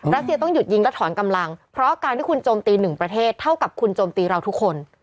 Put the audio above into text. รัสเซียต้องหยุดยิงและถอนกำลังเพราะการที่คุณโจมตีหนึ่งประเทศเท่ากับคุณโจมตีเราทุกคน